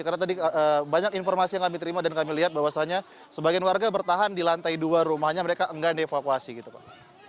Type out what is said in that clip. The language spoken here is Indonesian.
karena tadi banyak informasi yang kami terima dan kami lihat bahwasannya sebagian warga bertahan di lantai dua rumahnya mereka enggan dievakuasi gitu pak